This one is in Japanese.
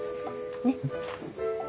ねっ。